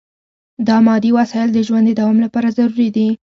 دا مادي وسایل د ژوند د دوام لپاره ضروري دي.